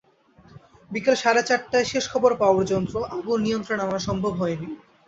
বিকেল সাড়ে চারটায় শেষ খবর পাওয়া পর্যন্ত আগুন নিয়ন্ত্রণে আনা সম্ভব হয়নি।